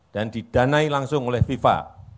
dan didanai langsung oleh viva